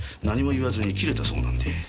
何も言わずに切れたそうなんで。